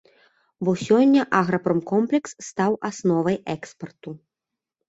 Бо сёння аграпромкомплекс стаў асновай экспарту.